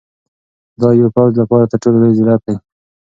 دا د یو پوځ لپاره تر ټولو لوی ذلت دی.